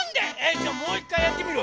じゃあもういっかいやってみる？